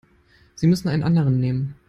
Sie müssen einen anderen nehmen.